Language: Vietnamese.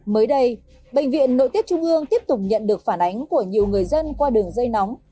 mới đây bệnh viện nội tiết trung ương tiếp tục nhận được phản ánh của nhiều người dân qua đường dây nóng